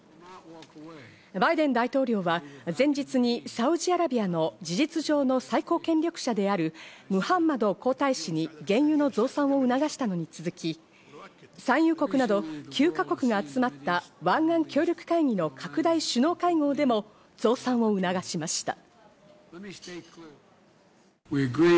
バイデン大統領は前日にサウジアラビアの事実上の最高権力者であるムハンマド皇太子に、原油の増産を促したのに続き、産油国など９ヶ国が集まった湾岸協力会議の拡大首脳会合でも増産を促しました。